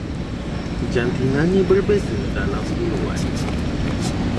Jantinanya berbeza dalam buluan